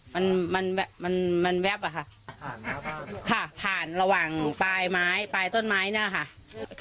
มันมันแบบมันมันแวบอ่ะค่ะผ่านระหว่างปลายไม้ปลายต้นไม้เนี่ยค่ะ